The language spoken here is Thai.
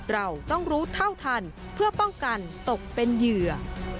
เราต้องรู้เท่าทันเพื่อป้องกันตกเป็นเหยื่อ